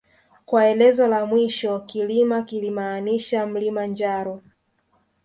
Kwa elezo la mwisho Kilima kilimaanisha mlima njaro